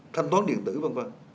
thanh toán điện tử v v